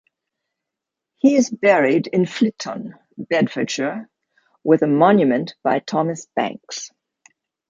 He is buried in Flitton, Bedfordshire with a monument by Thomas Banks.